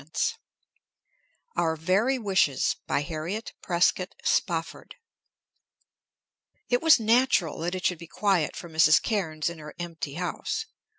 _" OUR VERY WISHES BY HARRIET PRESCOTT SPOFFORD It was natural that it should be quiet for Mrs. Cairnes in her empty house.